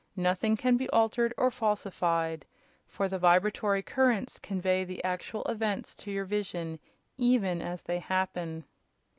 Nothing can be altered or falsified, for the vibratory currents convey the actual events to your vision, even as they happen."